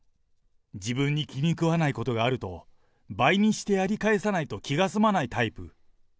自分に気に食わないことがあると、倍にしてやり返さないと気が済まないタイプ。